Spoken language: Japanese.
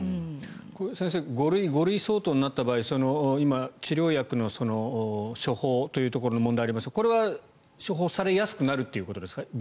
先生５類、５類相当になった場合今、治療薬の処方という問題がありましたがこれは処方されやすくなるということですね。